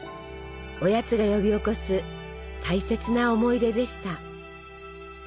おやつが呼び起こす大切な思い出でした。